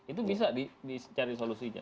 itu bisa dicari solusinya